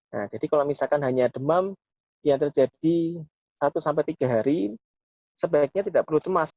nah jadi kalau misalkan hanya demam yang terjadi satu sampai tiga hari sebaiknya tidak perlu cemas